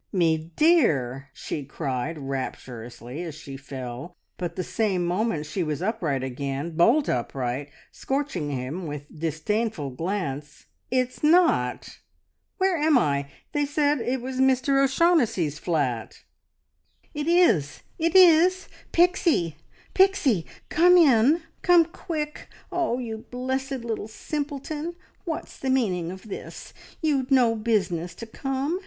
"Me dear!" she cried rapturously, as she fell, but the same moment she was upright again, bolt upright, scorching him with disdainful glance. "It's not! Where am I? ... They said it was Mr O'Shaughnessy's flat!" "It is! It is! Pixie! Pixie! Come in, come quick! Oh, you blessed little simpleton, what's the meaning of this? You'd no business to come.